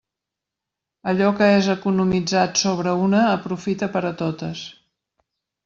Allò que és economitzat sobre una aprofita per a totes.